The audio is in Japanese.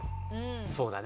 そうだね。